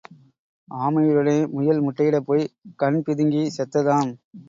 ஆமையுடனே முயல் முட்டையிடப் போய் கண் பிதுங்கிச் செத்ததாம்.